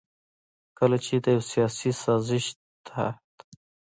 کله چې د يو سياسي سازش تحت